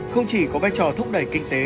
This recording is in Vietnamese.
không chỉ có vai trò thúc đẩy kinh tế